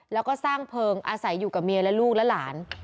แล้วก็สร้างเพลิงอาศัยอยู่กับเมียและลูกและหลาน